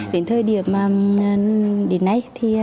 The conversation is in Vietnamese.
đến thời điểm đến nay